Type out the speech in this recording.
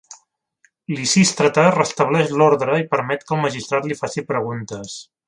Lisístrata restableix l'ordre i permet que el magistrat li faci preguntes.